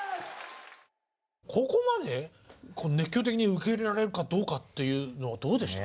ここまで熱狂的に受け入れられるかどうかっていうのはどうでしたか？